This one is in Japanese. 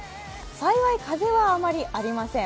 幸い風はあまりありません。